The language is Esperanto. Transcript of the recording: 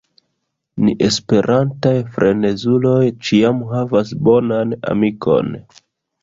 Ni esperantaj frenezuloj ĉiam havas bonan amikon.